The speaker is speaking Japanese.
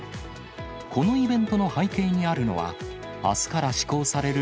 このイベントの背景にあるのは、あすから施行される